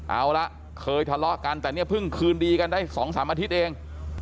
เอาละเคยทะเลาะกันแต่เนี่ยเพิ่งคืนดีกันได้๒๓อาทิตย์เอง